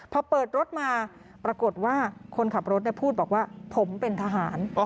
พอเปิดรถมาปรากฏว่าคนขับรถพูดบอกว่าผมเป็นทหาร